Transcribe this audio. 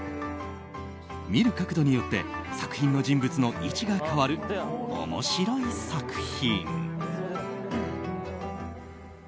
見る角度によって、作品の人物の位置が変わる面白い作品。